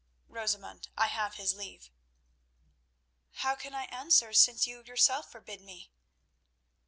"Rosamund, I have his leave." "How can I answer since you yourself forbid me?"